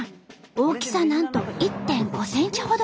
大きさなんと１．５ｃｍほど。